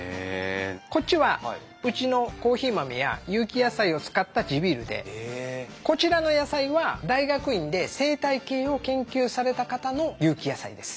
こっちはうちのコーヒー豆や有機野菜を使った地ビールでこちらの野菜は大学院で生態系を研究された方の有機野菜です。